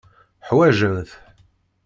Ḥwajen-t.